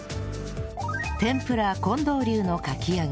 てんぷら近藤流のかき揚げ